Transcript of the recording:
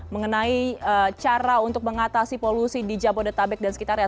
mengenai cara untuk mengatasi polusi di jabodetabek dan sekitarnya